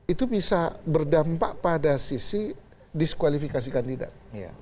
itu bisa berdampak pada sisi diskualifikasi kandidat